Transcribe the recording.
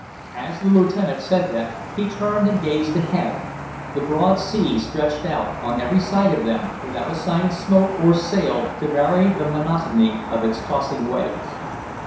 As the lieutenant said that he turned and gazed ahead; the broad sea stretched out on every side of them, without a sign of smoke or sail to vary the monotony of its tossing waves.